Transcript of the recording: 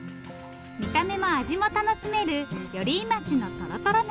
見た目も味も楽しめる寄居町のとろとろナス。